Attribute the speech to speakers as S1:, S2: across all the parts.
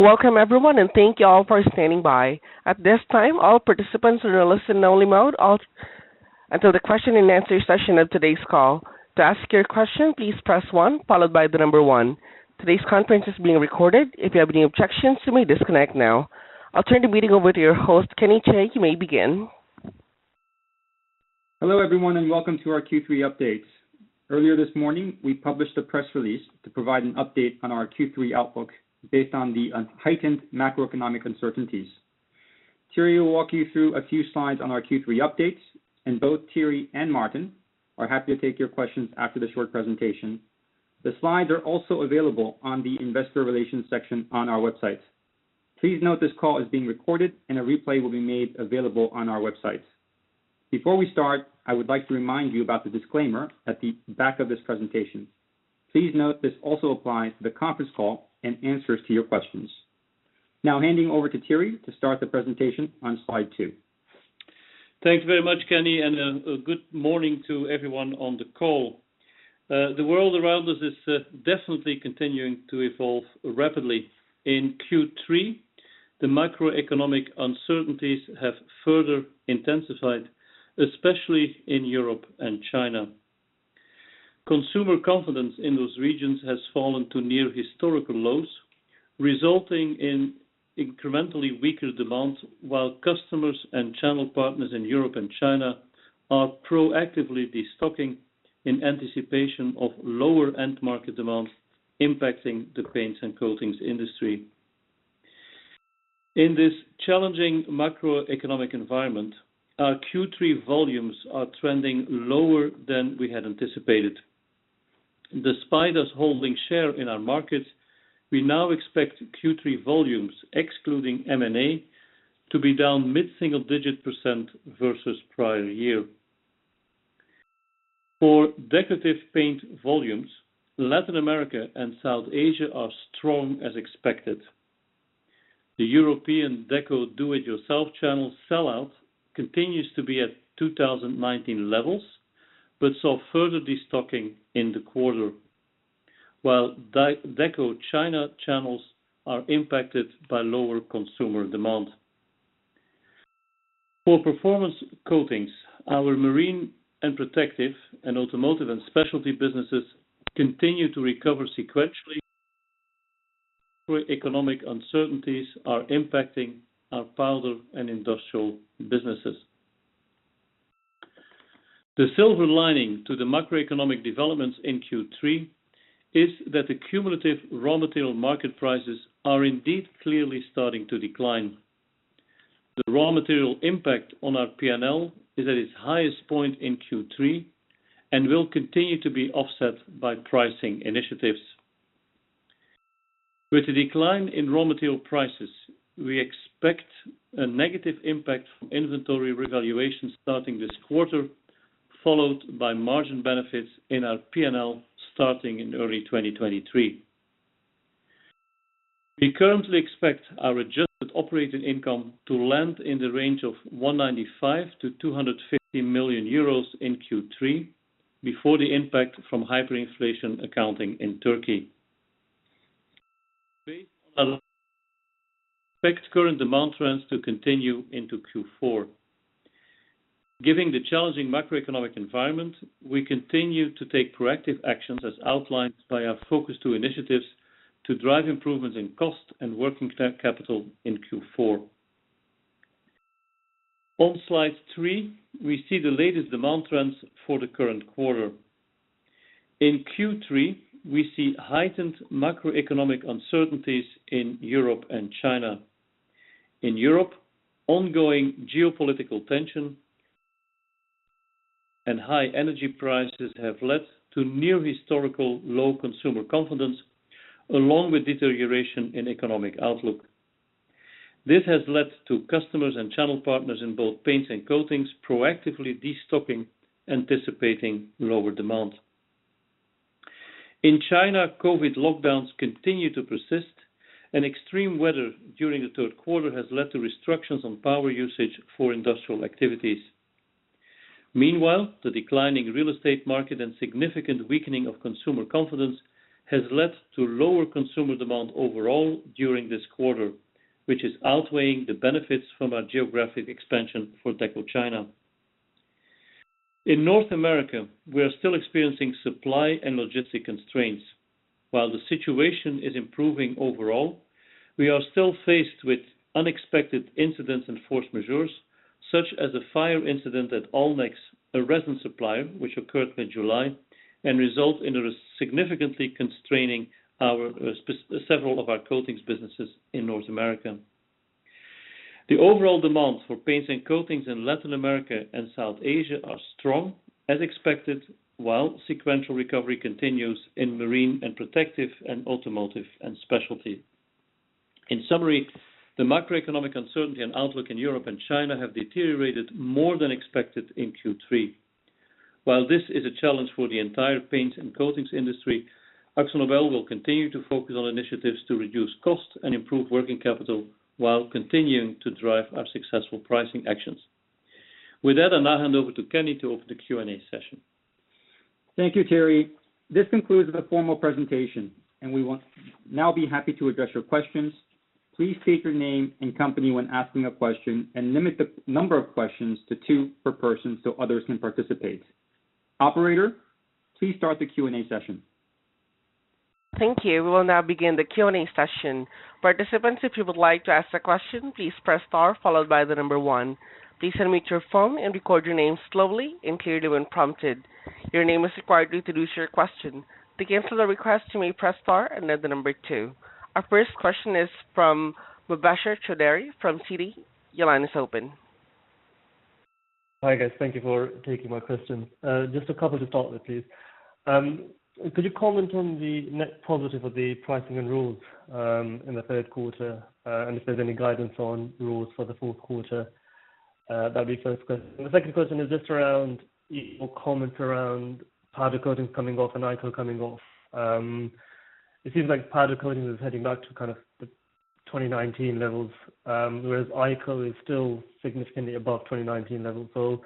S1: Welcome everyone, and thank you all for standing by. At this time, all participants are in a listen-only mode until the question and answer session of today's call. To ask your question, please press one followed by the number one. Today's conference is being recorded. If you have any objections, you may disconnect now. I'll turn the meeting over to your host, Kenny Chae. You may begin.
S2: Hello everyone, welcome to our Q3 updates. Earlier this morning, we published a press release to provide an update on our Q3 outlook based on the heightened macroeconomic uncertainties. Thierry will walk you through a few slides on our Q3 updates, and both Thierry and Maarten are happy to take your questions after the short presentation. The slides are also available on the investor relations section on our website. Please note this call is being recorded and a replay will be made available on our website. Before we start, I would like to remind you about the disclaimer at the back of this presentation. Please note this also applies to the conference call and answers to your questions. Now handing over to Thierry to start the presentation on slide two.
S3: Thanks very much, Kenny, and good morning to everyone on the call. The world around us is definitely continuing to evolve rapidly. In Q3, the macroeconomic uncertainties have further intensified, especially in Europe and China. Consumer confidence in those regions has fallen to near historical lows, resulting in incrementally weaker demand, while customers and channel partners in Europe and China are proactively destocking in anticipation of lower end-market demand impacting the paints and coatings industry. In this challenging macroeconomic environment, our Q3 volumes are trending lower than we had anticipated. Despite us holding share in our markets, we now expect Q3 volumes excluding M&A to be down mid-single-digit percent versus prior year. For decorative paint volumes, Latin America and South Asia are strong as expected. The European Deco do it yourself channel sellout continues to be at 2019 levels, but saw further destocking in the quarter. While Deco China channels are impacted by lower consumer demand. For Performance Coatings, our Marine and Protective and Automotive and Specialty businesses continue to recover sequentially. Economic uncertainties are impacting our Powder and Industrial businesses. The silver lining to the macroeconomic developments in Q3 is that the cumulative raw material market prices are indeed clearly starting to decline. The raw material impact on our P&L is at its highest point in Q3 and will continue to be offset by pricing initiatives. With the decline in raw material prices, we expect a negative impact from inventory revaluation starting this quarter, followed by margin benefits in our P&L starting in early 2023. We currently expect our adjusted operating income to land in the range of 195 million-250 million euros in Q3, before the impact from hyperinflation accounting in Turkey. Based on expected current demand trends to continue into Q4. Given the challenging macroeconomic environment, we continue to take proactive actions as outlined by our Focus 2 initiatives to drive improvements in cost and working capital in Q4. On slide three, we see the latest demand trends for the current quarter. In Q3, we see heightened macroeconomic uncertainties in Europe and China. In Europe, ongoing geopolitical tension and high energy prices have led to near historical low consumer confidence, along with deterioration in economic outlook. This has led to customers and channel partners in both paints and coatings proactively de-stocking, anticipating lower demand. In China, COVID lockdowns continue to persist, and extreme weather during the third quarter has led to restrictions on power usage for industrial activities. Meanwhile, the declining real estate market and significant weakening of consumer confidence has led to lower consumer demand overall during this quarter, which is outweighing the benefits from our geographic expansion for Deco China. In North America, we are still experiencing supply and logistics constraints. While the situation is improving overall, we are still faced with unexpected incidents and force majeures, such as a fire incident at Allnex, a resin supplier which occurred in July and resulted in significantly constraining several of our coatings businesses in North America. The overall demand for paints and coatings in Latin America and South Asia are strong as expected, while sequential recovery continues in marine and protective and automotive and specialty. In summary, the macroeconomic uncertainty and outlook in Europe and China have deteriorated more than expected in Q3. While this is a challenge for the entire paints and coatings industry, AkzoNobel will continue to focus on initiatives to reduce cost and improve working capital while continuing to drive our successful pricing actions. With that, I'll now hand over to Kenny to open the Q&A session.
S2: Thank you, Thierry. This concludes the formal presentation, and we will now be happy to address your questions. Please state your name and company when asking a question, and limit the number of questions to two per person so others can participate. Operator, please start the Q&A session.
S1: Thank you. We will now begin the Q&A session. Participants, if you would like to ask a question, please press star followed by the number one. Please unmute your phone and record your name slowly and clearly when prompted. Your name is required to introduce your question. To cancel the request, you may press star and then the number two. Our first question is from Mubasher Chaudhry from Citi. Your line is open.
S4: Hi, guys. Thank you for taking my question. Just a couple to start with, please. Could you comment on the net positive of the pricing and volumes in the third quarter, and if there's any guidance on volumes for the fourth quarter? That'd be first question. The second question is just a comment around Powder Coatings coming off and ICO coming off. It seems like Powder Coatings is heading back to kind of the 2019 levels, whereas ICO is still significantly above 2019 levels.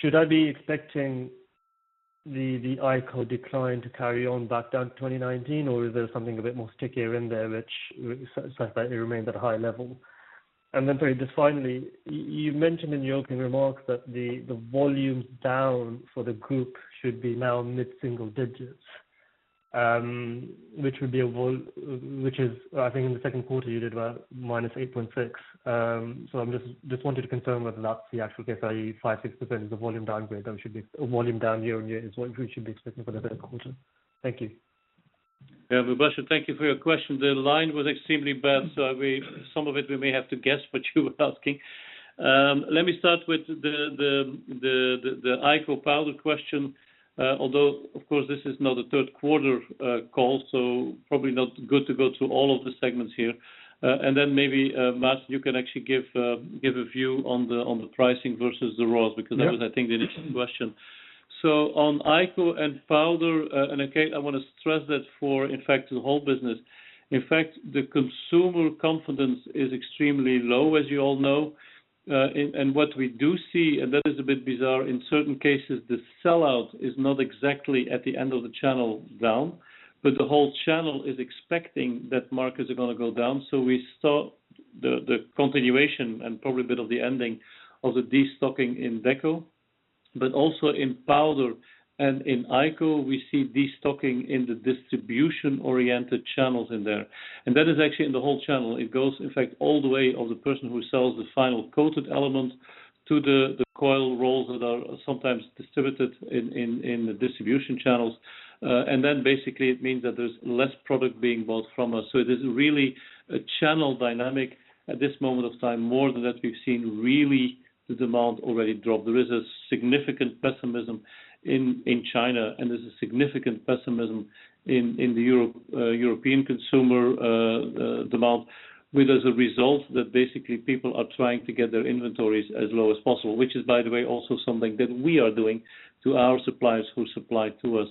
S4: Should I be expecting the ICO decline to carry on back down to 2019, or is there something a bit more stickier in there which so that it remains at a high level? Sorry, just finally, you mentioned in your opening remarks that the volumes down for the group should be now mid-single digits, which would be. Which is, I think in the second quarter, you did about -8.6%. So I'm just wanted to confirm whether that's the actual case, i.e. 5%-6% is the volume downgrade that we should be or volume down year on year is what we should be expecting for the third quarter. Thank you.
S3: Yeah, Mubasher, thank you for your question. The line was extremely bad, so some of it we may have to guess what you were asking. Let me start with the ICO powder question, although of course this is now the third quarter call, so probably not good to go through all of the segments here. Then maybe, Maarten, you can actually give a view on the pricing versus the raws.
S5: Yeah.
S3: Because that was, I think, the initial question. On ICO and Powder, and again, I wanna stress that for, in fact, the whole business. In fact, the consumer confidence is extremely low, as you all know, and what we do see, and that is a bit bizarre, in certain cases, the sellout is not exactly at the end of the channel down, but the whole channel is expecting that markets are gonna go down. We saw the continuation and probably a bit of the ending of the destocking in Deco, but also in Powder and in ICO, we see destocking in the distribution-oriented channels in there. That is actually in the whole channel. It goes, in fact, all the way from the person who sells the final coated element to the coil rolls that are sometimes distributed in the distribution channels. Basically it means that there's less product being bought from us. It is really a channel dynamic at this moment of time, more than that we've seen really the demand already drop. There is a significant pessimism in China, and there's a significant pessimism in the European demand, with as a result that basically people are trying to get their inventories as low as possible, which is, by the way, also something that we are doing to our suppliers who supply to us.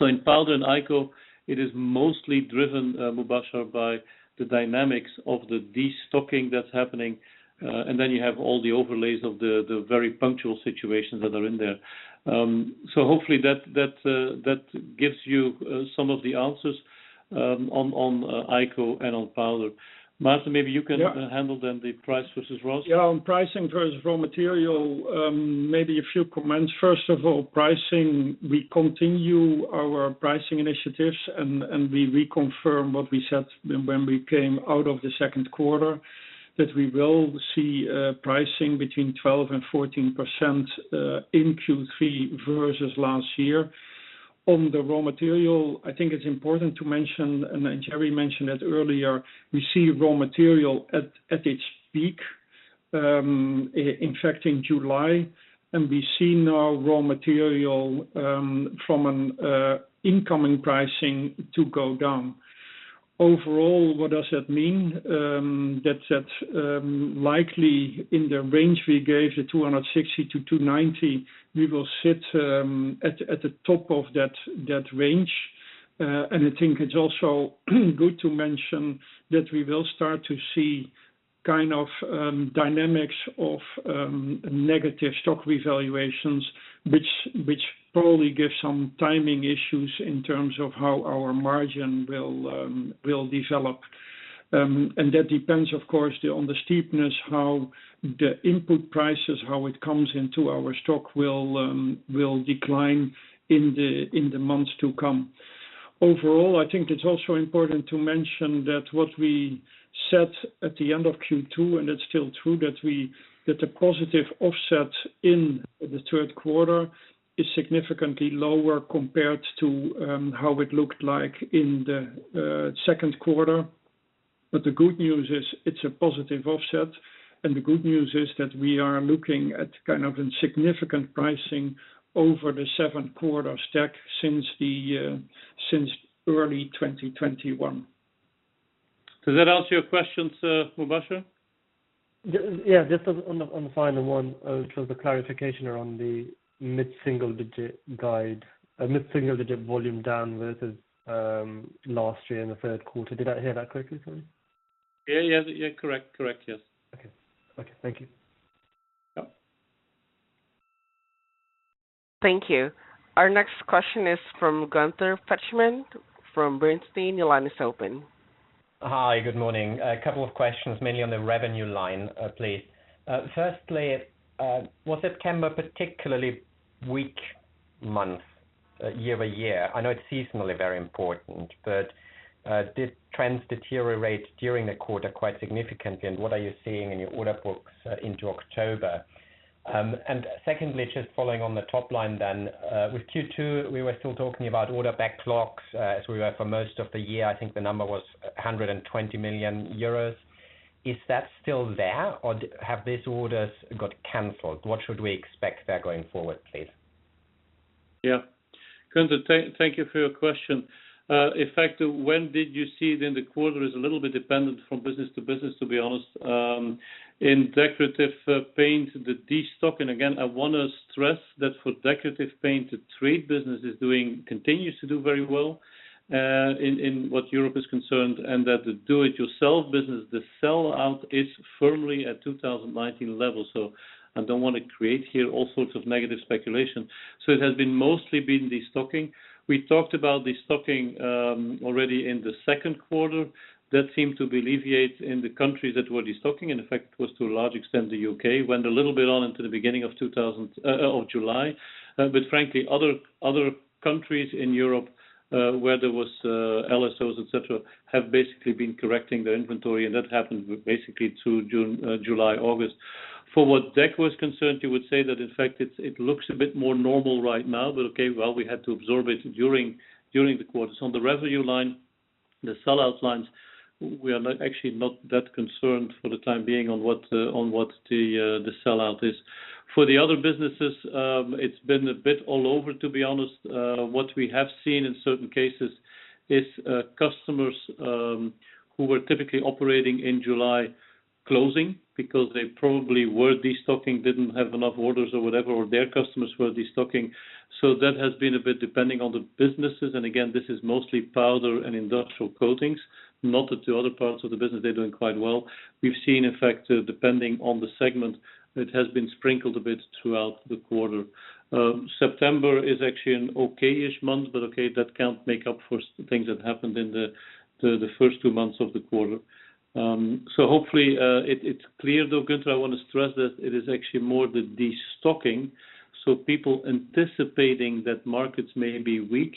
S3: In Powder and ICO, it is mostly driven, Mubasher, by the dynamics of the destocking that's happening, and then you have all the overlays of the very punctual situations that are in there. Hopefully that gives you some of the answers on ICO and on Powder. Maarten, maybe you can-
S5: Yeah.
S3: Handle the price versus raws.
S5: Yeah, on pricing versus raw material, maybe a few comments. First of all, pricing, we continue our pricing initiatives and we reconfirm what we said when we came out of the second quarter, that we will see pricing between 12%-14% in Q3 versus last year. On the raw material, I think it's important to mention, and Thierry mentioned it earlier, we see raw material at its peak, in fact in July, and we see now raw material from an incoming prices to go down. Overall, what does that mean? That likely in the range we gave, the 260-290, we will sit at the top of that range. I think it's also good to mention that we will start to see kind of dynamics of negative stock revaluations, which probably gives some timing issues in terms of how our margin will develop. That depends, of course, on the steepness, how the input prices, how it comes into our stock will decline in the months to come. Overall, I think it's also important to mention that what we said at the end of Q2, and it's still true, that the positive offset in the third quarter is significantly lower compared to how it looked like in the second quarter. The good news is it's a positive offset, and the good news is that we are looking at kind of a significant pricing over the seventh-quarter stack since early 2021.
S3: Does that answer your question, sir, Mubasher?
S4: Yeah, just on the final one, just a clarification around the mid-single digit guide. A mid-single digit volume down versus last year in the third quarter. Did I hear that correctly, sorry?
S3: Yeah, yeah. Correct. Correct. Yes.
S4: Okay. Thank you.
S3: Yep.
S1: Thank you. Our next question is from Gunther Zechmann from Bernstein. Your line is open.
S6: Hi. Good morning. A couple of questions, mainly on the revenue line, please. Firstly, was September particularly weak month, year-over-year? I know it's seasonally very important, but did trends deteriorate during the quarter quite significantly, and what are you seeing in your order books into October? And secondly, just following on the top line then, with Q2, we were still talking about order backlogs, as we were for most of the year. I think the number was 120 million euros. Is that still there or have these orders got canceled? What should we expect there going forward, please?
S3: Gunther, thank you for your question. In fact, when did you see it in the quarter is a little bit dependent from business to business, to be honest. In Decorative Paints, the destocking, again, I wanna stress that for Decorative Paints, the trade business continues to do very well, insofar as Europe is concerned and that the do it yourself business, the sell-out is firmly at 2019 level. I don't wanna create here all sorts of negative speculation. It has mostly been destocking. We talked about destocking already in the second quarter. That seemed to alleviate in the countries that were destocking, in effect, was to a large extent the U.K. Went a little bit on into the beginning of 2020 of July. Frankly, other countries in Europe where there were LSOs, etc., have basically been correcting their inventory, and that happened basically through June, July, August. For what Deco was concerned, you would say that in fact it looks a bit more normal right now, but okay, well, we had to absorb it during the quarters. On the revenue line, the sellout lines, we are not actually not that concerned for the time being on what the sellout is. For the other businesses, it's been a bit all over, to be honest. What we have seen in certain cases is customers who were typically operating in July closing because they probably were destocking, didn't have enough orders or whatever, or their customers were destocking. That has been a bit depending on the businesses. Again, this is mostly Powder and Industrial Coatings, not the two other parts of the business. They're doing quite well. We've seen, in fact, depending on the segment, it has been sprinkled a bit throughout the quarter. September is actually an okay-ish month, but okay, that can't make up for things that happened in the first two months of the quarter. Hopefully, it's clear, though, Gunther, I wanna stress that it is actually more the destocking. People anticipating that markets may be weak,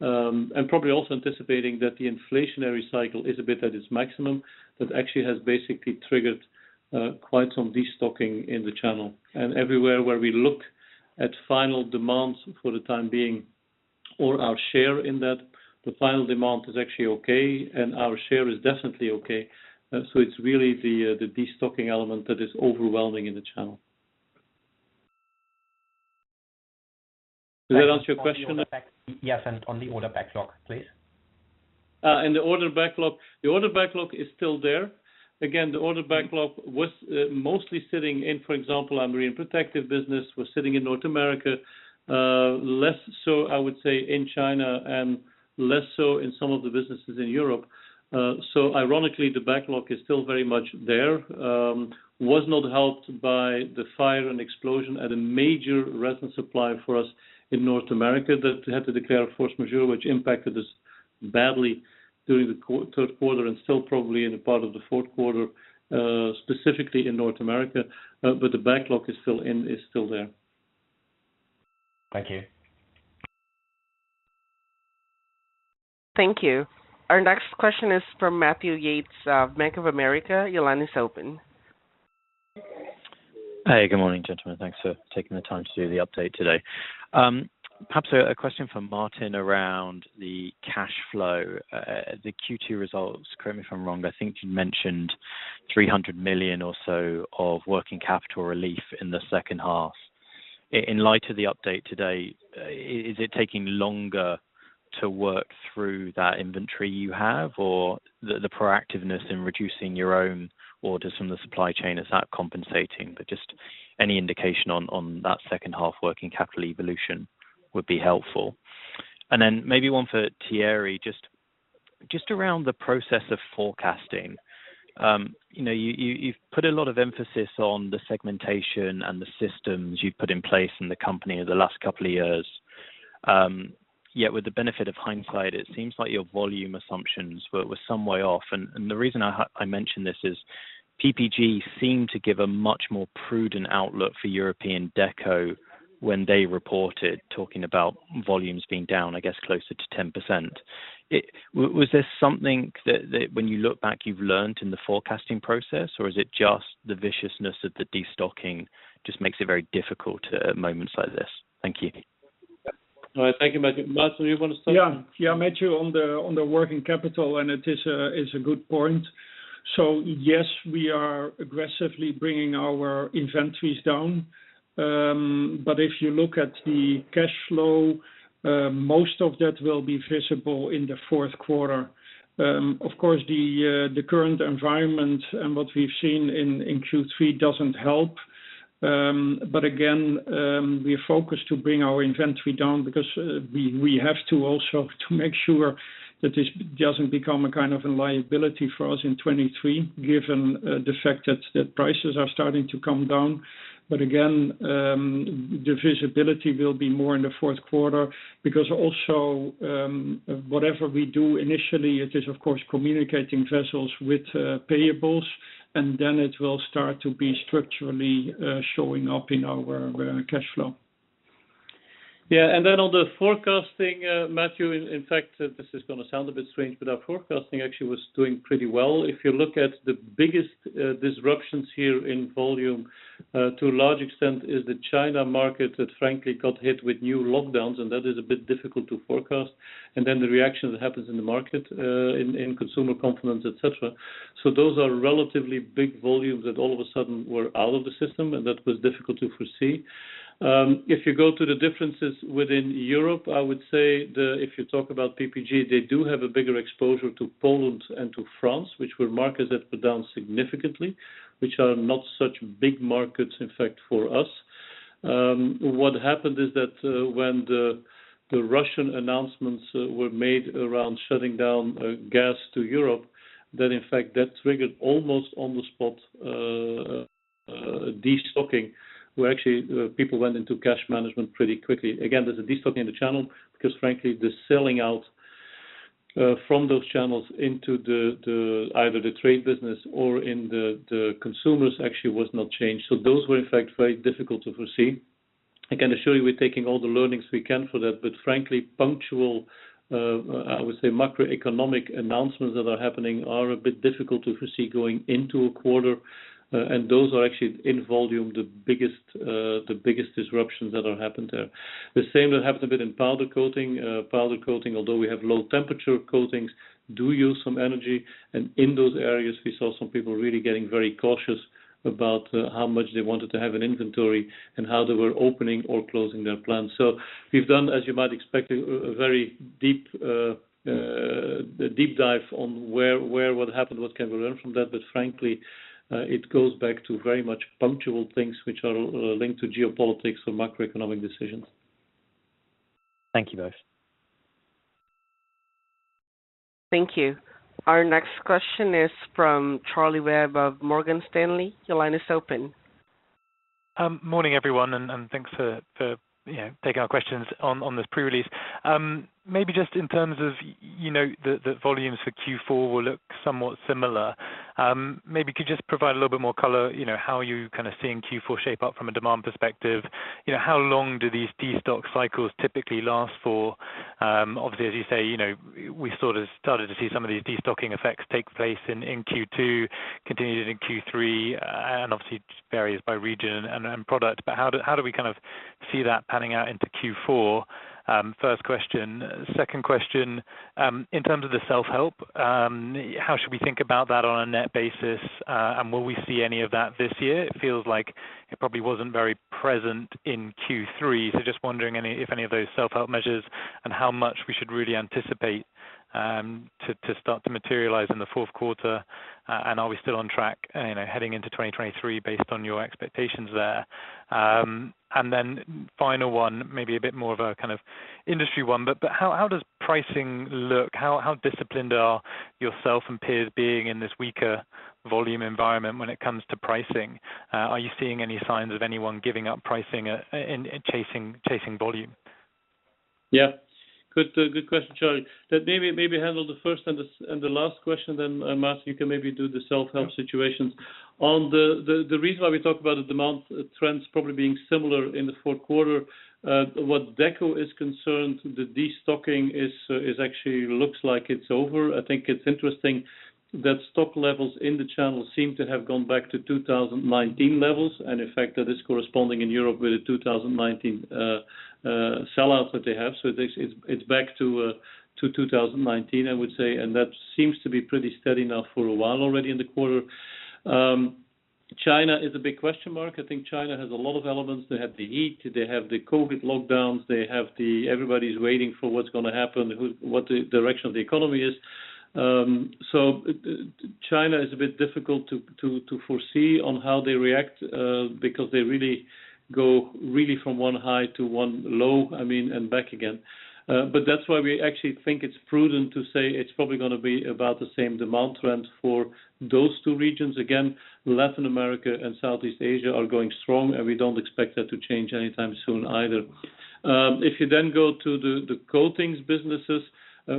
S3: and probably also anticipating that the inflationary cycle is a bit at its maximum. That actually has basically triggered quite some destocking in the channel. Everywhere where we look at final demands for the time being or our share in that, the final demand is actually okay and our share is definitely okay. It's really the destocking element that is overwhelming in the channel. Does that answer your question?
S6: Yes. On the order backlog, please.
S3: The order backlog is still there. Again, the order backlog was mostly sitting in, for example, our Marine and Protective Coatings business in North America. Less so, I would say, in China and less so in some of the businesses in Europe. Ironically, the backlog is still very much there, was not helped by the fire and explosion at a major resin supplier for us in North America that had to declare force majeure, which impacted us badly during the third quarter and still probably in a part of the fourth quarter, specifically in North America. The backlog is still there.
S6: Thank you.
S1: Thank you. Our next question is from Matthew Yates of Bank of America. Your line is open.
S7: Hey, good morning, gentlemen. Thanks for taking the time to do the update today. Perhaps a question for Maarten around the cash flow. The Q2 results, correct me if I'm wrong, but I think you mentioned 300 million or so of working capital relief in the second half. In light of the update today, is it taking longer to work through that inventory you have or the proactiveness in reducing your own orders from the supply chain, is that compensating? Just any indication on that second half working capital evolution would be helpful. Maybe one for Thierry, just around the process of forecasting. You know, you've put a lot of emphasis on the segmentation and the systems you've put in place in the company over the last couple of years. Yet with the benefit of hindsight, it seems like your volume assumptions were some way off. The reason I mention this is PPG seemed to give a much more prudent outlook for European Deco when they reported, talking about volumes being down, I guess, closer to 10%. Was there something that when you look back, you've learned in the forecasting process, or is it just the viciousness of the destocking just makes it very difficult at moments like this? Thank you.
S3: All right. Thank you, Matthew. Maarten, you want to start?
S5: Yeah, Matthew, on the working capital, it's a good point. Yes, we are aggressively bringing our inventories down. If you look at the cash flow, most of that will be visible in the fourth quarter. Of course, the current environment and what we've seen in Q3 doesn't help. We are focused to bring our inventory down because we have to also make sure that this doesn't become a kind of a liability for us in 2023, given the fact that prices are starting to come down. The visibility will be more in the fourth quarter because also whatever we do initially, it is of course communicating vessels with payables, and then it will start to be structurally showing up in our cash flow.
S3: Yeah. Then on the forecasting, Matthew, in fact, this is gonna sound a bit strange, but our forecasting actually was doing pretty well. If you look at the biggest disruptions here in volume, to a large extent is the China market that frankly got hit with new lockdowns, and that is a bit difficult to forecast. The reaction that happens in the market, in consumer confidence, et cetera. Those are relatively big volumes that all of a sudden were out of the system, and that was difficult to foresee. If you go to the differences within Europe, I would say if you talk about PPG, they do have a bigger exposure to Poland and to France, which were markets that were down significantly, which are not such big markets, in fact, for us. What happened is that when the Russian announcements were made around shutting down gas to Europe, that in fact triggered almost on the spot de-stocking, where actually people went into cash management pretty quickly. Again, there's a de-stocking in the channel because frankly, the selling out from those channels into either the trade business or the consumers actually was not changed. Those were in fact very difficult to foresee. I can assure you we're taking all the learnings we can for that, but frankly, punctual I would say macroeconomic announcements that are happening are a bit difficult to foresee going into a quarter. Those are actually in volume the biggest disruptions that have happened there. The same that happened a bit in powder coating. Powder Coatings, although we have low temperature coatings, do use some energy. In those areas we saw some people really getting very cautious about how much they wanted to have in inventory and how they were opening or closing their plants. We've done, as you might expect, a very deep dive on where what happened, what can we learn from that. Frankly, it goes back to very much punctual things which are linked to geopolitics or macroeconomic decisions.
S7: Thank you both.
S1: Thank you. Our next question is from Charlie Webb of Morgan Stanley. Your line is open.
S8: Morning, everyone, and thanks for you know taking our questions on this pre-release. Maybe just in terms of you know the volumes for Q4 will look somewhat similar. Maybe could you just provide a little bit more color you know how are you kind of seeing Q4 shape up from a demand perspective? You know, how long do these destock cycles typically last for? Obviously, as you say, you know, we sort of started to see some of these destocking effects take place in Q2, continued in Q3, and obviously just varies by region and product. But how do we kind of see that panning out into Q4? First question. Second question, in terms of the self-help, how should we think about that on a net basis, and will we see any of that this year? It feels like it probably wasn't very present in Q3. Just wondering any, if any of those self-help measures and how much we should really anticipate to start to materialize in the fourth quarter. Are we still on track, you know, heading into 2023 based on your expectations there? Then final one, maybe a bit more of a kind of industry one, but how does pricing look? How disciplined are yourself and peers being in this weaker volume environment when it comes to pricing? Are you seeing any signs of anyone giving up pricing and chasing volume?
S3: Good question, Charlie. Let me handle the first and the last question then. Matt, you can maybe do the self-help situations. On the reason why we talk about the demand trends probably being similar in the fourth quarter, what Deco is concerned, the de-stocking actually looks like it's over. I think it's interesting that stock levels in the channel seem to have gone back to 2019 levels. In fact, that is corresponding in Europe with the 2019 sell-outs that they have. This is back to 2019, I would say. That seems to be pretty steady now for a while already in the quarter. China is a big question mark. I think China has a lot of elements. They have the heat, they have the COVID lockdowns, everybody's waiting for what's gonna happen, what the direction of the economy is. China is a bit difficult to foresee on how they react, because they really go from one high to one low, I mean, and back again. That's why we actually think it's prudent to say it's probably gonna be about the same demand trend for those two regions. Again, Latin America and Southeast Asia are going strong, and we don't expect that to change anytime soon either. If you then go to the coatings businesses,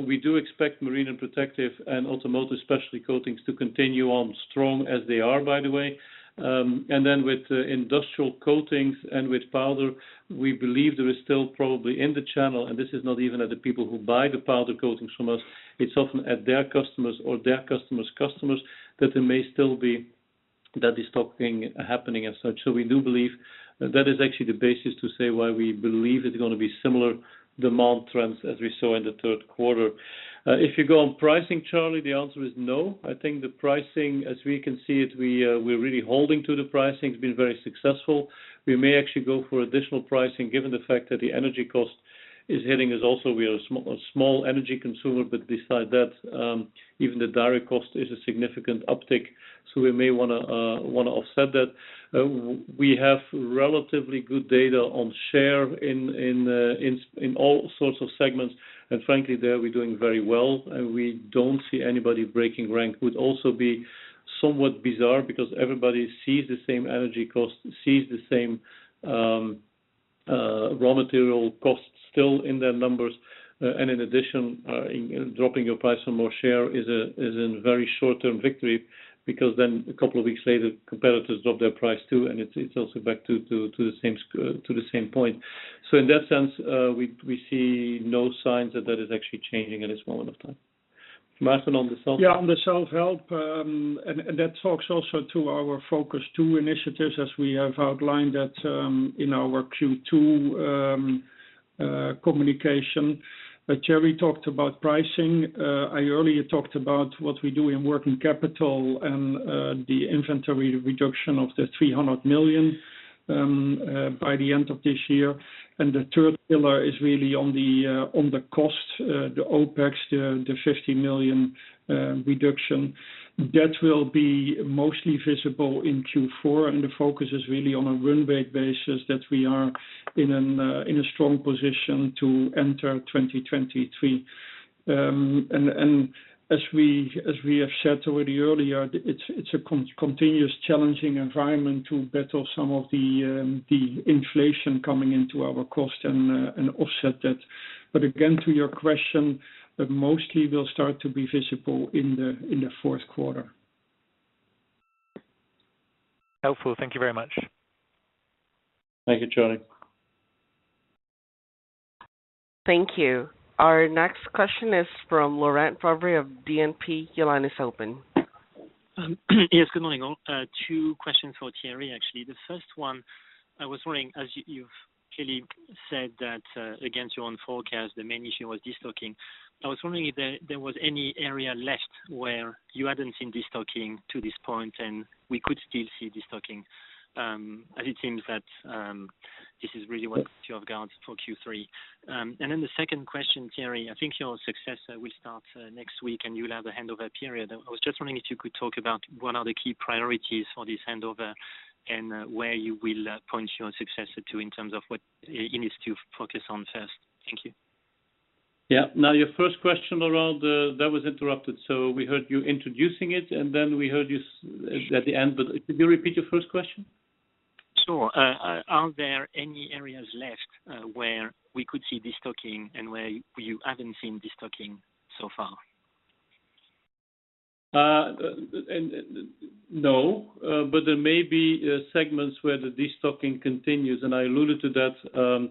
S3: we do expect Marine and Protective and Automotive Specialty Coatings to continue on strong as they are, by the way. With industrial coatings and with powder, we believe there is still probably in the channel, and this is not even at the people who buy the powder coatings from us, it's often at their customers or their customers' customers, that there may still be that de-stocking happening as such. We do believe that is actually the basis to say why we believe it's gonna be similar demand trends as we saw in the third quarter. If you go on pricing, Charlie, the answer is no. I think the pricing as we can see it, we're really holding to the pricing. It's been very successful. We may actually go for additional pricing given the fact that the energy costs is hitting us also. We are a small energy consumer, but besides that, even the direct cost is a significant uptick, so we may wanna offset that. We have relatively good data on share in all sorts of segments, and frankly, there we're doing very well, and we don't see anybody breaking rank. Would also be somewhat bizarre because everybody sees the same energy costs, sees the same raw material costs still in their numbers. In addition, you know, dropping your price for more share is a very short-term victory because then a couple of weeks later, competitors drop their price too, and it's also back to the same point. In that sense, we see no signs that is actually changing at this moment of time. Maarten de Vries, on the self-help?
S5: Yeah, on the self-help, and that talks also to our Focus 2 initiatives as we have outlined that in our Q2 communication. Thierry talked about pricing. I earlier talked about what we do in working capital and the inventory reduction of 300 million by the end of this year. The third pillar is really on the cost, the OPEX, the 50 million reduction. That will be mostly visible in Q4, and the focus is really on a run rate basis that we are in a strong position to enter 2023. As we have said already earlier, it's a continuous challenging environment to battle some of the inflation coming into our cost and offset that. Again, to your question, that mostly will start to be visible in the fourth quarter.
S8: Helpful. Thank you very much.
S5: Thank you, Charlie Webb.
S1: Thank you. Our next question is from Laurent Favre of Exane BNP Paribas. Your line is open.
S9: Yes, good morning, all. Two questions for Thierry, actually. The first one, I was wondering, as you've clearly said that, against your own forecast, the main issue was destocking. I was wondering if there was any area left where you hadn't seen destocking to this point, and we could still see destocking, as it seems that this is really what you have got for Q3. The second question, Thierry, I think your successor will start next week and you'll have a handover period. I was just wondering if you could talk about what are the key priorities for this handover and where you will point your successor to in terms of what he needs to focus on first. Thank you.
S3: Yeah. Now, your first question, Laurent, that was interrupted. We heard you introducing it, and then we heard you at the end. Could you repeat your first question?
S9: Sure. Are there any areas left where we could see destocking and where you haven't seen destocking so far?
S3: There may be segments where the destocking continues, and I alluded to that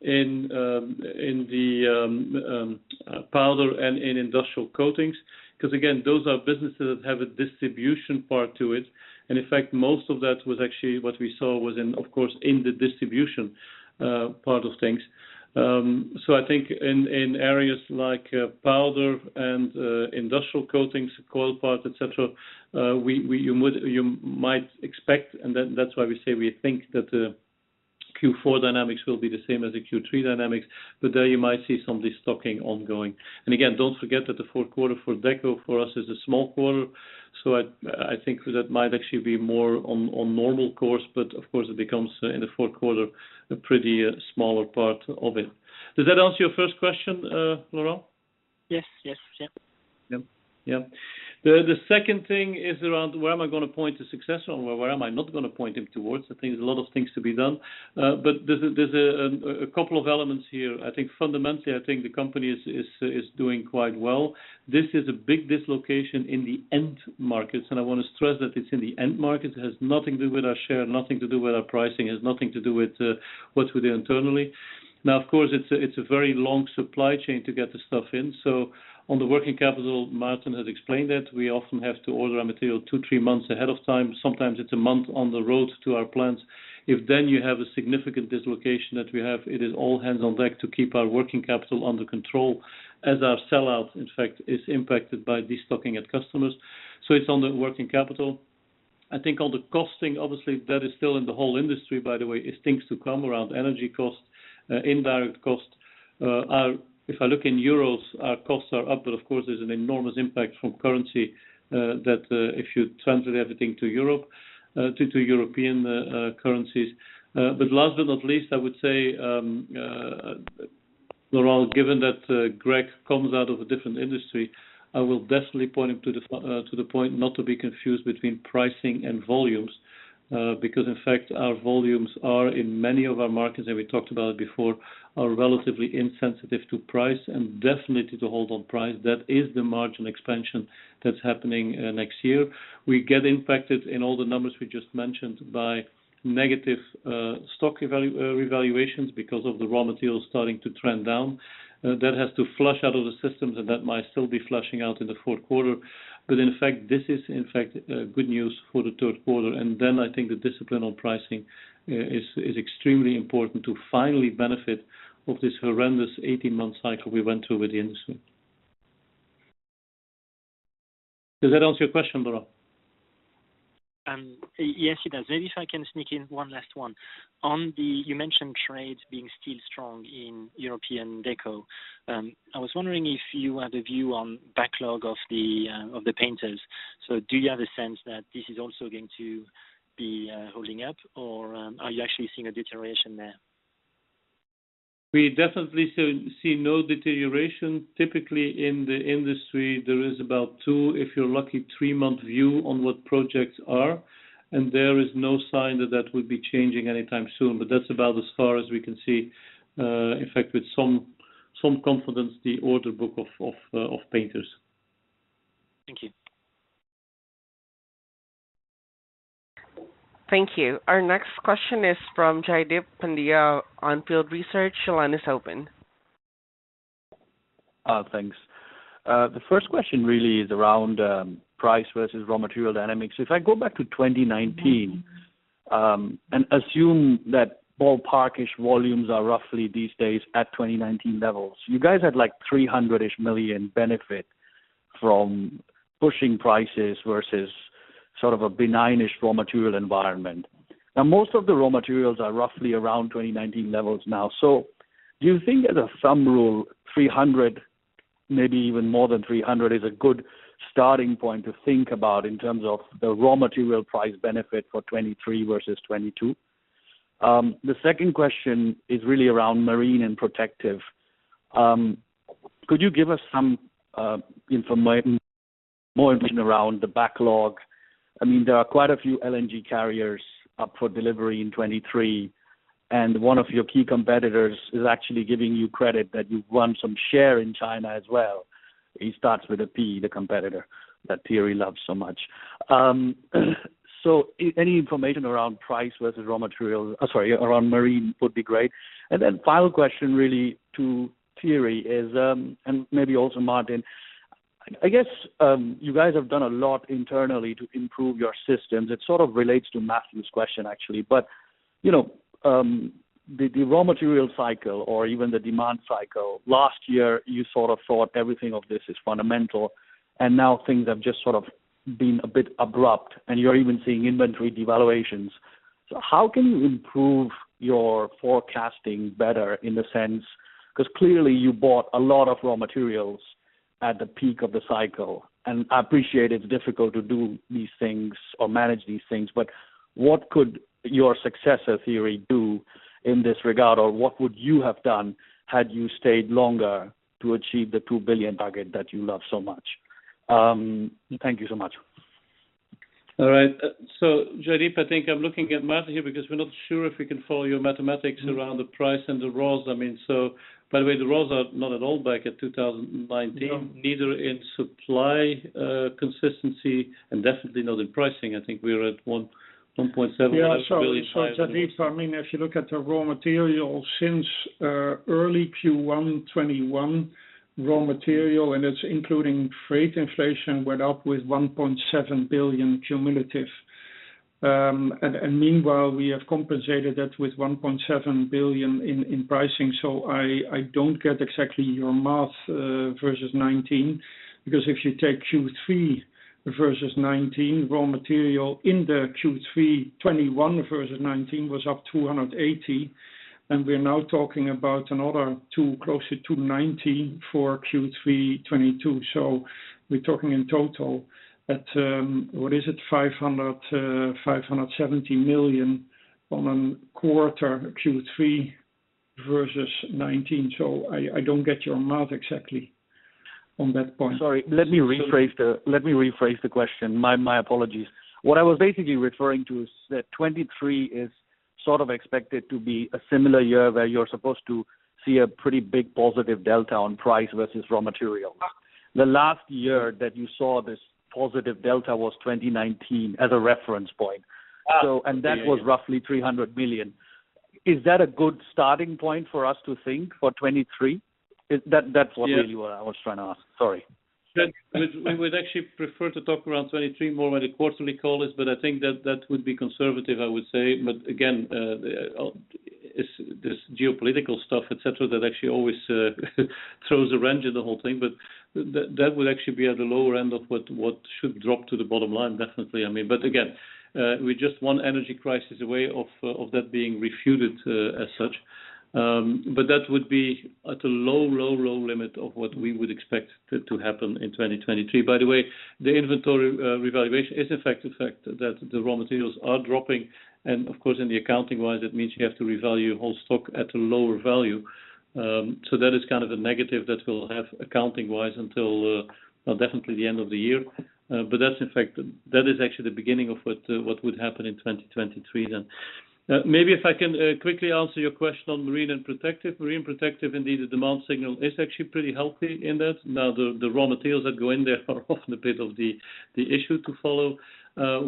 S3: in the Powder Coatings and in Industrial Coatings, 'cause again, those are businesses that have a distribution part to it. In fact, most of that was actually what we saw was in, of course, in the distribution part of things. I think in areas like Powder Coatings and Industrial Coatings, coil parts, et cetera, you might expect, and that's why we say we think that Q4 dynamics will be the same as the Q3 dynamics, but there you might see some destocking ongoing. Again, don't forget that the fourth quarter for Deco, for us, is a small quarter. I think that might actually be more on normal course, but of course, it becomes in the fourth quarter a pretty smaller part of it. Does that answer your first question, Laurent?
S9: Yes. Yes. Yeah.
S3: The second thing is around where am I gonna point the successor or where am I not gonna point him towards? I think there's a lot of things to be done. There's a couple of elements here. I think fundamentally, the company is doing quite well. This is a big dislocation in the end markets, and I wanna stress that it's in the end market. It has nothing to do with our share, nothing to do with our pricing, it has nothing to do with what we do internally. Now, of course, it's a very long supply chain to get the stuff in. So on the working capital, Maarten has explained that we often have to order our material two, three months ahead of time. Sometimes it's a month on the road to our plants. If then you have a significant dislocation that we have, it is all hands on deck to keep our working capital under control as our sell-out, in fact, is impacted by destocking at customers. It's on the working capital. I think on the costing, obviously, that is still in the whole industry, by the way, is things to come around energy costs, indirect costs. If I look in euros, our costs are up, but of course, there's an enormous impact from currency, that, if you translate everything to Europe, to European currencies. Last but not least, I would say, Laurent Favre, given that Greg comes out of a different industry, I will definitely point him to the point not to be confused between pricing and volumes, because in fact, our volumes are in many of our markets that we talked about before, are relatively insensitive to price and definitely to hold on price. That is the margin expansion that's happening next year. We get impacted in all the numbers we just mentioned by negative stock revaluations because of the raw materials starting to trend down. That has to flush out of the systems, and that might still be flushing out in the fourth quarter. In fact, this is good news for the third quarter. I think the discipline on pricing is extremely important to finally benefit of this horrendous 18-month cycle we went through with the industry. Does that answer your question, Laurent?
S9: Yes, it does. Maybe if I can sneak in one last one. You mentioned trades being still strong in European Deco. I was wondering if you had a view on backlog of the painters. So do you have a sense that this is also going to be holding up, or are you actually seeing a deterioration there?
S3: We definitely do see no deterioration. Typically, in the industry, there is about two, if you're lucky, three-month view on what projects are, and there is no sign that that would be changing anytime soon. That's about as far as we can see, in fact, with some confidence, the order book of painters.
S9: Thank you.
S1: Thank you. Our next question is from Jaideep Pandya of On Field Investment Research. Your line is open.
S10: Thanks. The first question really is around price versus raw material dynamics. If I go back to 2019 and assume that ballpark-ish volumes are roughly these days at 2019 levels, you guys had, like, 300 million-ish benefit from pushing prices versus sort of a benign-ish raw material environment. Now, most of the raw materials are roughly around 2019 levels now. Do you think as a thumb rule, 300, maybe even more than 300 is a good starting point to think about in terms of the raw material price benefit for 2023 versus 2022? The second question is really around marine and protective. Could you give us some information around the backlog? I mean, there are quite a few LNG carriers up for delivery in 2023, and one of your key competitors is actually giving you credit that you've won some share in China as well. He starts with a P, the competitor that Thierry loves so much. Any information around marine would be great. Final question really to Thierry is, and maybe also Maarten, I guess, you guys have done a lot internally to improve your systems. It sort of relates to Matthew's question, actually. You know, the raw material cycle or even the demand cycle, last year, you sort of thought everything of this is fundamental, and now things have just sort of been a bit abrupt, and you're even seeing inventory devaluations. How can you improve your forecasting better in a sense? 'Cause clearly, you bought a lot of raw materials at the peak of the cycle. I appreciate it's difficult to do these things or manage these things, but what could your successor, Thierry, do in this regard? What would you have done had you stayed longer to achieve the 2 billion target that you love so much? Thank you so much.
S3: All right. Jaideep, I think I'm looking at Maarten here because we're not sure if we can follow your mathematics around the price and the raws. I mean, by the way, the raws are not at all back at 2019, neither in supply, consistency and definitely not in pricing. I think we're at 1.7-
S5: Yeah. Sorry, Jaideep. I mean, if you look at the raw material since early Q1 2021, raw material, and it's including freight inflation, went up with 1.7 billion cumulative. Meanwhile, we have compensated that with 1.7 billion in pricing. I don't get exactly your math versus 2019. Because if you take Q3 versus 2019, raw material in the Q3 2021 versus 2019 was up 280 million, and we're now talking about another 200, closer to 90 for Q3 2022. We're talking in total at what is it? 570 million on a quarter Q3 versus 2019. I don't get your math exactly on that point.
S10: Sorry. Let me rephrase the question. My apologies. What I was basically referring to is that 2023 is sort of expected to be a similar year where you're supposed to see a pretty big positive delta on price versus raw material. The last year that you saw this positive delta was 2019 as a reference point.
S3: Okay. Yeah.
S10: That was roughly 300 million. Is that a good starting point for us to think for 2023? That's really what I was trying to ask. Sorry.
S3: We'd actually prefer to talk around 2023 more on the quarterly call list, but I think that would be conservative, I would say. Again, it's this geopolitical stuff, et cetera, that actually always throws a wrench in the whole thing. That would actually be at the lower end of what should drop to the bottom line, definitely. We're just one energy crisis away of that being refuted, as such. That would be at a low limit of what we would expect to happen in 2023. By the way, the inventory revaluation is a fact that the raw materials are dropping. Of course, accounting-wise, it means you have to revalue whole stock at a lower value. That is kind of a negative that we'll have accounting-wise until, well, definitely the end of the year. That's in fact. That is actually the beginning of what would happen in 2023 then. Maybe if I can quickly answer your question on Marine and Protective. Marine and Protective, indeed, the demand signal is actually pretty healthy in that. Now, the raw materials that go in there are often a bit of the issue to follow.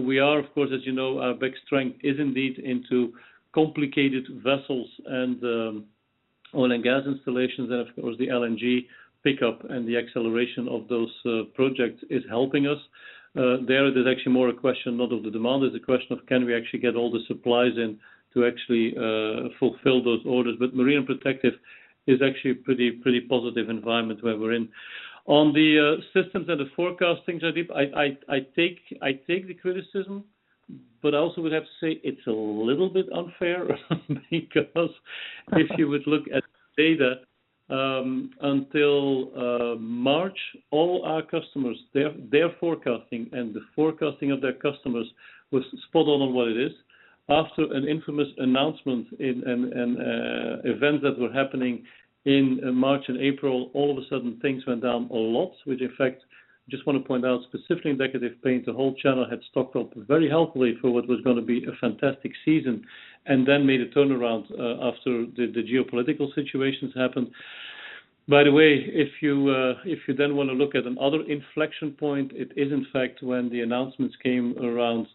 S3: We are, of course, as you know, our big strength is indeed into complicated vessels and oil and gas installations. Of course, the LNG pickup and the acceleration of those projects is helping us. There's actually more a question not of the demand. It's a question of can we actually get all the supplies in to actually fulfill those orders. Marine and Protective is actually a pretty positive environment where we're in. On the systems and the forecasting, Jaideep, I take the criticism. But I also would have to say it's a little bit unfair because if you would look at data until March, all our customers, their forecasting and the forecasting of their customers was spot on what it is. After an infamous announcement in events that were happening in March and April, all of a sudden things went down a lot, which in fact, I just want to point out specifically in Decorative Paints, the whole channel had stocked up very healthily for what was gonna be a fantastic season and then made a turnaround, after the geopolitical situations happened. By the way, if you then wanna look at another inflection point, it is in fact when the announcements came around,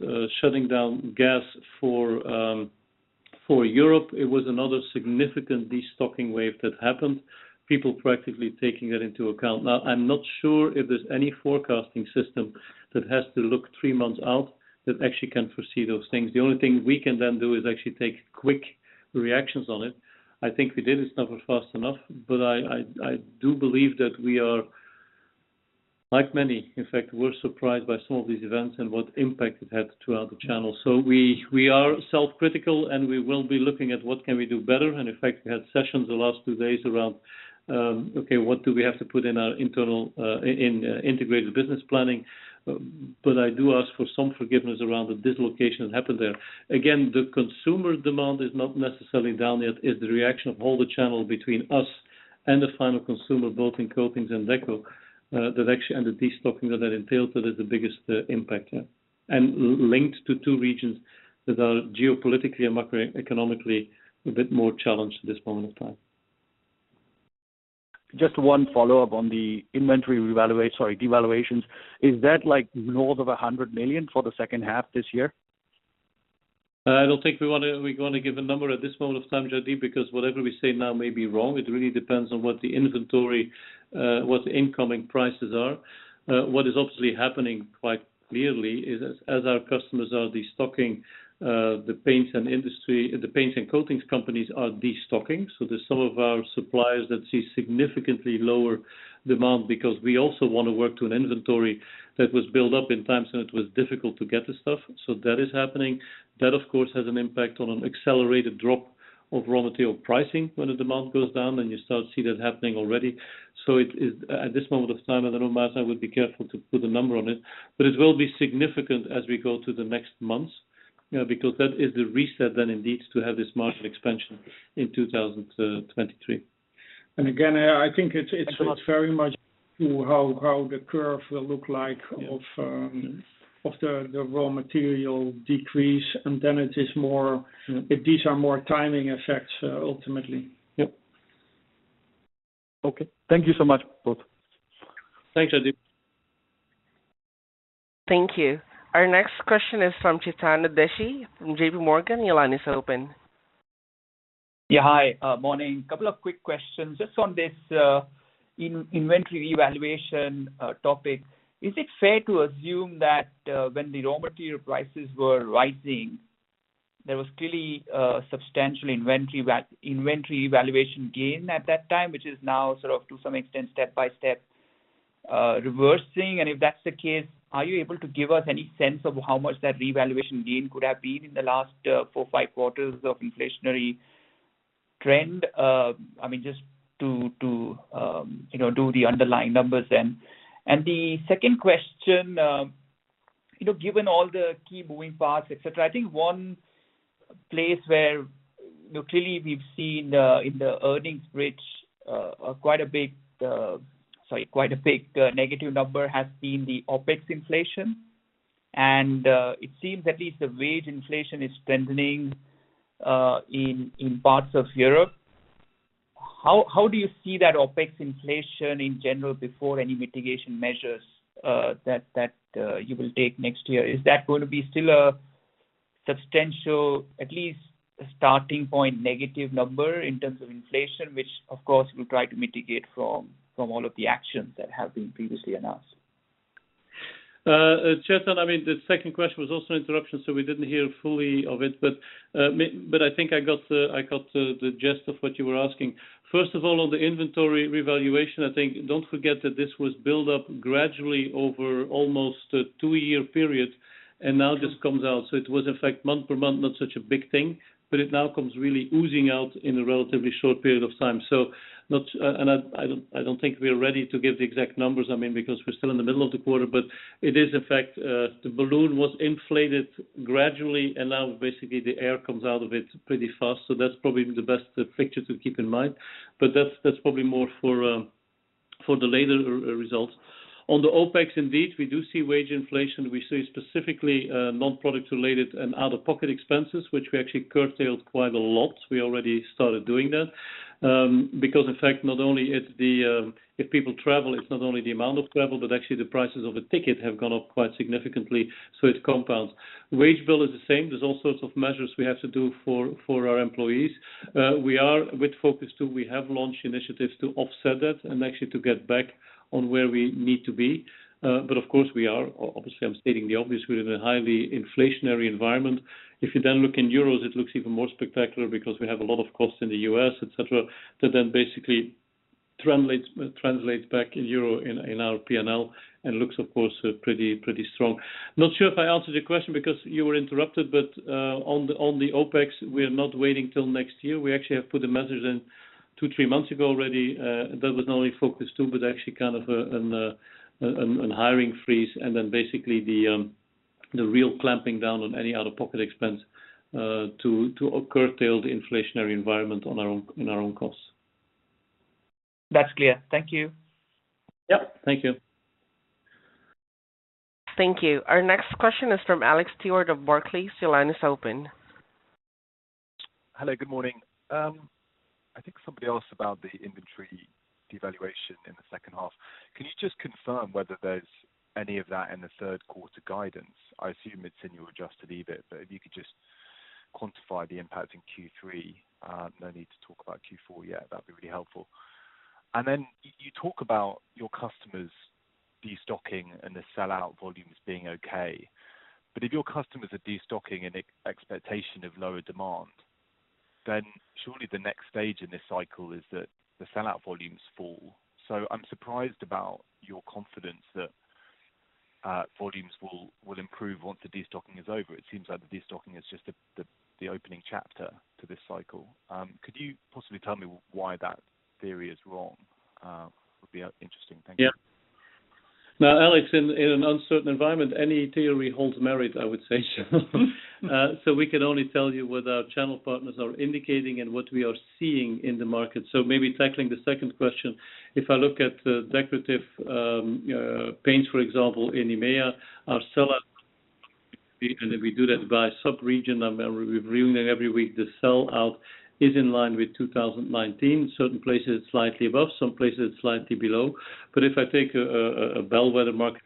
S3: shutting down gas for Europe. It was another significant destocking wave that happened, people practically taking that into account. Now, I'm not sure if there's any forecasting system that has to look three months out that actually can foresee those things. The only thing we can then do is actually take quick reactions on it. I think we did this number fast enough, but I do believe that we are like many. In fact, we're surprised by some of these events and what impact it had throughout the channel. We are self-critical, and we will be looking at what can we do better. In fact, we had sessions the last two days around what we have to put in our internal in integrated business planning. I do ask for some forgiveness around the dislocation that happened there. Again, the consumer demand is not necessarily down yet. It's the reaction of all the channel between us and the final consumer, both in coatings and deco, that actually and the destocking that it entailed that is the biggest impact, yeah. Linked to two regions that are geopolitically and macroeconomically a bit more challenged at this moment in time.
S10: Just one follow-up on the inventory devaluations. Is that, like, north of 100 million for the second half this year?
S3: I don't think we're gonna give a number at this moment of time, Jaideep Pandya, because whatever we say now may be wrong. It really depends on what the inventory, what the incoming prices are. What is obviously happening quite clearly is as our customers are destocking, the paints and coatings companies are destocking. There's some of our suppliers that see significantly lower demand because we also wanna work to an inventory that was built up in times when it was difficult to get the stuff. That is happening. That, of course, has an impact on an accelerated drop of raw material pricing when the demand goes down, and you start to see that happening already. It is at this moment of time, I don't know, Maarten, I would be careful to put a number on it, but it will be significant as we go to the next months, because that is the reset then it needs to have this margin expansion in 2023. Again, I think it's very much to how the curve will look like of the raw material decrease, and then it is more if these are more timing effects, ultimately. Yep.
S10: Okay. Thank you so much, both.
S3: Thanks, Jaideep Pandya.
S1: Thank you. Our next question is from Chetan Udeshi from JPMorgan. Your line is open.
S11: Yeah. Hi. Morning. Couple of quick questions. Just on this inventory revaluation topic, is it fair to assume that when the raw material prices were rising, there was clearly a substantial inventory valuation gain at that time, which is now sort of to some extent step-by-step reversing? If that's the case, are you able to give us any sense of how much that revaluation gain could have been in the last four or five quarters of inflationary trend? I mean, just to you know, do the underlying numbers then. The second question, you know, given all the key moving parts, et cetera, I think one place where, you know, clearly we've seen in the earnings bridge quite a big negative number has been the OpEx inflation. It seems at least the wage inflation is strengthening in parts of Europe. How do you see that OpEx inflation in general before any mitigation measures that you will take next year? Is that gonna be still a substantial, at least starting point negative number in terms of inflation, which of course we'll try to mitigate from all of the actions that have been previously announced?
S3: Chetan, I mean, the second question was also interrupted, so we didn't hear fully of it. I think I got the gist of what you were asking. First of all, on the inventory revaluation, I think don't forget that this was built up gradually over almost a two-year period and now just comes out. It was in fact month per month not such a big thing, but it now comes really oozing out in a relatively short period of time. I don't think we are ready to give the exact numbers, I mean, because we're still in the middle of the quarter. It is in fact the balloon was inflated gradually and now basically the air comes out of it pretty fast. That's probably the best picture to keep in mind, but that's probably more for the later results. On the OpEx, indeed, we do see wage inflation. We see specifically non-product related and out-of-pocket expenses, which we actually curtailed quite a lot. We already started doing that because in fact, not only the amount of travel, but actually the prices of a ticket have gone up quite significantly, so it compounds. Wage bill is the same. There's all sorts of measures we have to do for our employees. We are with Focus 2. We have launched initiatives to offset that and actually to get back on where we need to be. Of course we are obviously stating the obvious, we're in a highly inflationary environment. If you then look in euros, it looks even more spectacular because we have a lot of costs in the U.S., et cetera, that then basically translates back in euro in our P&L and looks, of course, pretty strong. Not sure if I answered your question because you were interrupted. On the OpEx, we are not waiting till next year. We actually have put the measures in two-three months ago already. That was not only Focus 2, but actually kind of a hiring freeze and then basically the real clamping down on any out-of-pocket expense to curtail the inflationary environment on our own, in our own costs.
S11: That's clear. Thank you.
S3: Yep. Thank you.
S1: Thank you. Our next question is from Alex Stewart of Barclays. Your line is open.
S12: Hello, good morning. I think somebody asked about the inventory devaluation in the second half. Can you just confirm whether there's any of that in the third quarter guidance? I assume it's in your adjusted EBIT, but if you could just quantify the impact in Q3. No need to talk about Q4 yet. That'd be really helpful. Then you talk about your customers destocking and the sell-out volumes being okay. If your customers are destocking in expectation of lower demand, then surely the next stage in this cycle is that the sell-out volumes fall. I'm surprised about your confidence that volumes will improve once the destocking is over. It seems like the destocking is just the opening chapter to this cycle. Could you possibly tell me why that theory is wrong? Would be interesting. Thank you.
S3: Yeah. Now, Alex, in an uncertain environment, any theory holds merit, I would say. We can only tell you what our channel partners are indicating and what we are seeing in the market. Maybe tackling the second question. If I look at the decorative paints, for example, in EMEA, our sell-out, and we do that by sub region, and we review that every week. The sell-out is in line with 2019. Certain places slightly above, some places slightly below. If I take a bellwether market,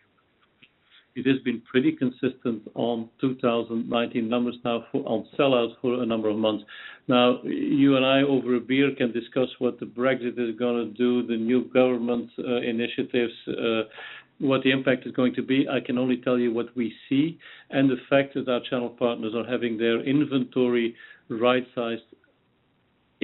S3: it has been pretty consistent on 2019 numbers now on sell-outs for a number of months. Now, you and I over a beer can discuss what the Brexit is gonna do, the new government initiatives, what the impact is going to be. I can only tell you what we see and the fact that our channel partners are having their inventory right-sized in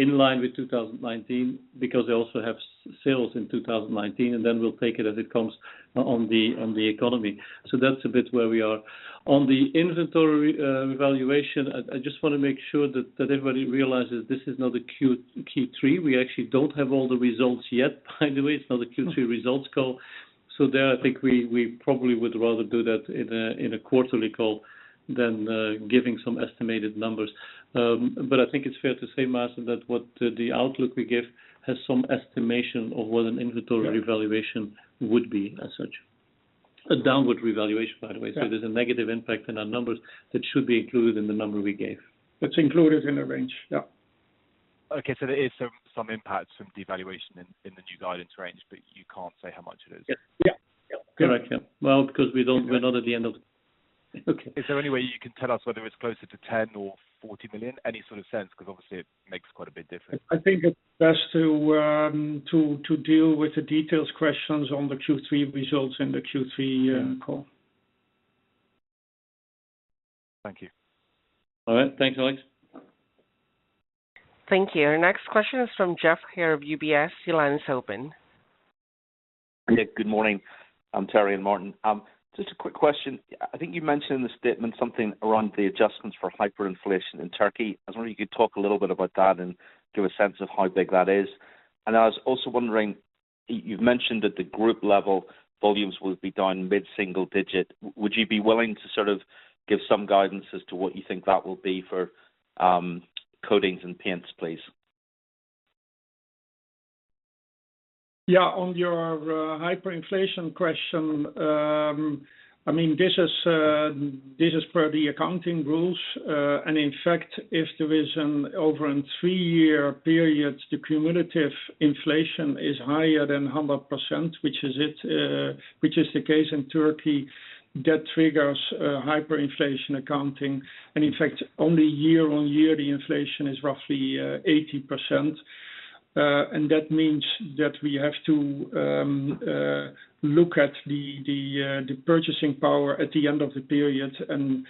S3: line with 2019 because they also have sales in 2019, and then we'll take it as it comes on the economy. That's a bit where we are. On the inventory revaluation, I just wanna make sure that everybody realizes this is not the Q3. We actually don't have all the results yet, by the way. It's not the Q3 results call. There, I think we probably would rather do that in a quarterly call than giving some estimated numbers. I think it's fair to say, Martin, that what the outlook we give has some estimation of what an inventory revaluation would be as such. A downward revaluation, by the way.
S5: Yeah.
S3: There's a negative impact in our numbers that should be included in the number we gave.
S5: It's included in the range. Yeah.
S12: Okay. There is some impact from devaluation in the new guidance range, but you can't say how much it is?
S3: Yeah.
S5: Yeah. Yeah.
S3: Correct. Yeah. Well, we're not at the end of.
S12: Okay. Is there any way you can tell us whether it's closer to 10 million or 40 million? Any sort of sense, because obviously it makes quite a bit of difference.
S3: I think it's best to deal with the details questions on the Q3 results in the Q3 call.
S12: Thank you.
S3: All right. Thanks, Alex.
S1: Thank you. Our next question is from Geoff Haire of UBS. Your line is open.
S13: Yeah. Good morning, Thierry and Maarten. Just a quick question. I think you mentioned in the statement something around the adjustments for hyperinflation in Turkey. I was wondering if you could talk a little bit about that and give a sense of how big that is. I was also wondering, you've mentioned at the group level, volumes will be down mid-single digit. Would you be willing to sort of give some guidance as to what you think that will be for, coatings and paints, please?
S3: Yeah. On your hyperinflation question, I mean, this is per the accounting rules. In fact, if there is an over in three-year periods, the cumulative inflation is higher than 100%, which is the case in Turkey, that triggers hyperinflation accounting. In fact, only year on year, the inflation is roughly 80%. That means that we have to look at the purchasing power at the end of the period, and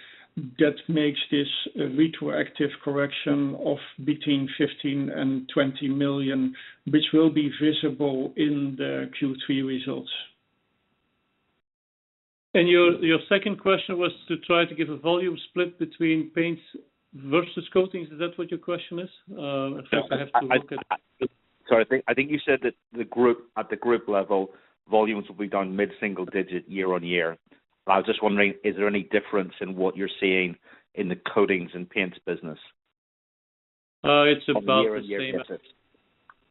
S3: that makes this a retroactive correction of 15 mllion-EUR 20 million, which will be visible in the Q3 results. Your second question was to try to give a volume split between paints versus coatings. Is that what your question is? I think I have to look at.
S13: Sorry. I think you said that the group at the group level, volumes will be down mid-single-digit precent year-on-year. I was just wondering, is there any difference in what you're seeing in the coatings and paints business?
S3: It's about the same.
S13: On year-on-year basis.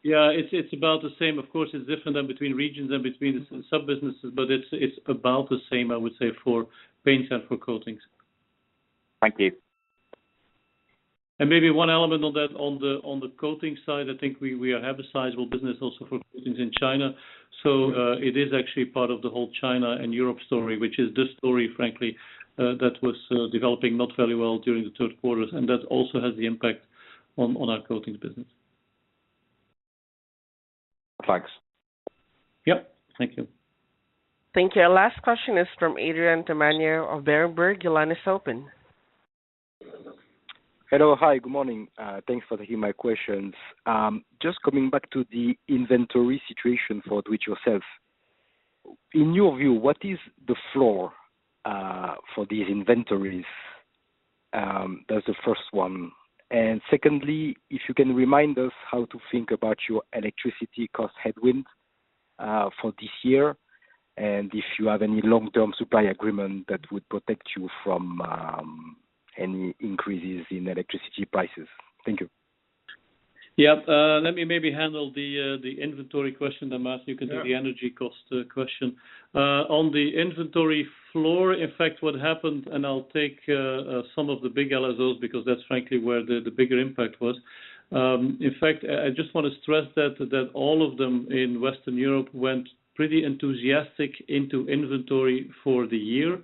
S3: Yeah. It's about the same. Of course, it's different than between regions and between sub-businesses, but it's about the same, I would say, for paints and for coatings.
S13: Thank you.
S3: Maybe one element on that. On the coatings side, I think we have a sizable business also for coatings in China. It is actually part of the whole China and Europe story, which is the story, frankly, that was developing not very well during the third quarters. That also has the impact on our coatings business.
S13: Thanks.
S3: Yep. Thank you.
S1: Thank you. Our last question is from Adrien Tamagno of Berenberg. Your line is open.
S14: Hello. Hi, good morning. Thanks for taking my questions. Just coming back to the inventory situation for Do It Yourself. In your view, what is the floor for these inventories? That's the first one. Secondly, if you can remind us how to think about your electricity cost headwind for this year, and if you have any long-term supply agreement that would protect you from any increases in electricity prices. Thank you.
S3: Yeah. Let me maybe handle the inventory question, then Maarten, you can do the energy cost question. On the inventory floor, in fact, what happened, and I'll take some of the big LSOs, because that's frankly where the bigger impact was. In fact, I just wanna stress that all of them in Western Europe went pretty enthusiastic into inventory for the year.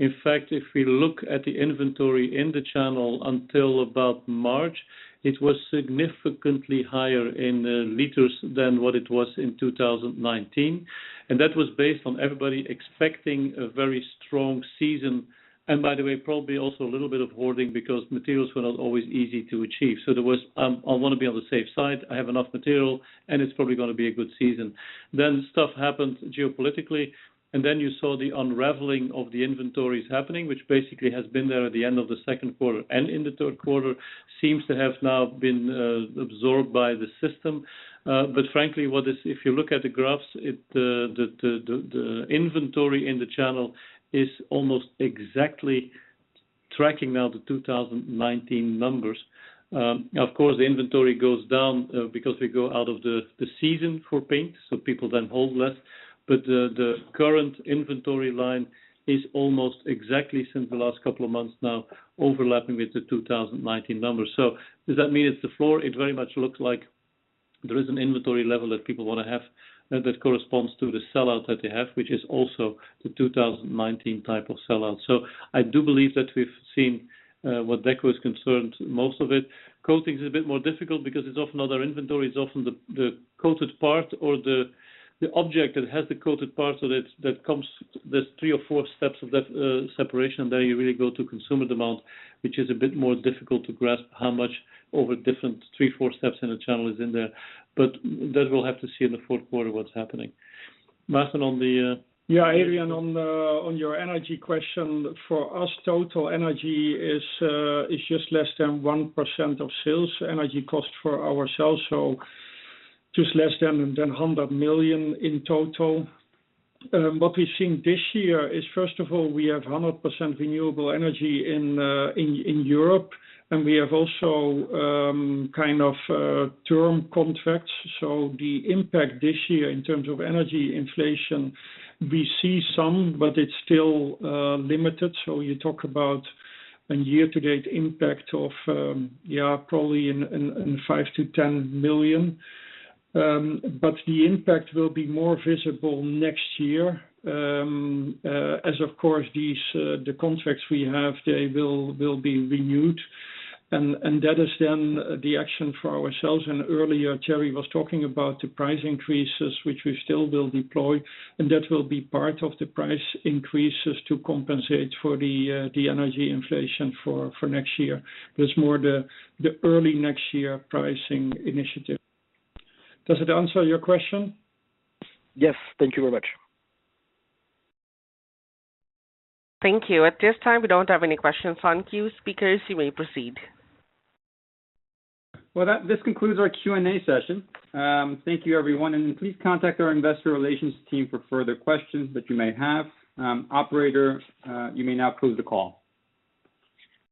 S3: In fact, if we look at the inventory in the channel until about March, it was significantly higher in liters than what it was in 2019. That was based on everybody expecting a very strong season. By the way, probably also a little bit of hoarding because materials were not always easy to achieve. There was, I wanna be on the safe side, I have enough material, and it's probably gonna be a good season. Stuff happened geopolitically, and then you saw the unraveling of the inventories happening, which basically has been there at the end of the second quarter, and in the third quarter, seems to have now been absorbed by the system. But frankly, if you look at the graphs, the inventory in the channel is almost exactly tracking now the 2019 numbers. Of course, the inventory goes down, because we go out of the season for paint, so people then hold less. The current inventory line is almost exactly since the last couple of months now overlapping with the 2019 numbers. Does that mean it's the floor? It very much looks like there is an inventory level that people wanna have that corresponds to the sell-out that they have, which is also the 2019 type of sell-out. I do believe that we've seen where Deco is concerned, most of it. Coatings is a bit more difficult because it's often not our inventory. It's often the coated part or the object that has the coated part of it that comes. There's three or four steps of that separation, then you really go to consumer demand, which is a bit more difficult to grasp how much over different three, four steps in the channel is in there. That we'll have to see in the fourth quarter what's happening. Maarten, on the,
S5: Yeah, Adrien, on your energy question, for us, total energy is just less than 1% of sales, energy cost for ourselves, so just less than 100 million in total. What we're seeing this year is, first of all, we have 100% renewable energy in Europe, and we have also kind of term contracts. The impact this year in terms of energy inflation, we see some, but it's still limited. You talk about a year-to-date impact of, yeah, probably in five to ten million. But the impact will be more visible next year, as of course these the contracts we have, they will be renewed. That is then the action for ourselves. Earlier, Thierry was talking about the price increases, which we still will deploy, and that will be part of the price increases to compensate for the energy inflation for next year. That's more the early next year pricing initiative. Does it answer your question?
S14: Yes. Thank you very much.
S1: Thank you. At this time, we don't have any questions in queue. Speakers, you may proceed.
S2: Well, this concludes our Q&A session. Thank you, everyone, and please contact our investor relations team for further questions that you may have. Operator, you may now close the call.